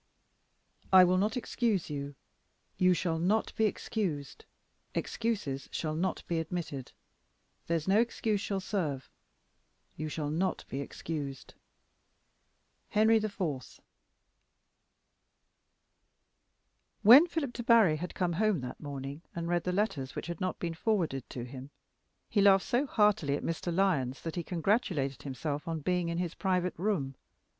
"I will not excuse you; you shall not be excused; excuses shall not be admitted; there's no excuse shall serve; you shall not be excused." Henry IV. When Philip Debarry had come home that morning and read the letters which had not been forwarded to him, he laughed so heartily at Mr. Lyon's that he congratulated himself on being in his private room.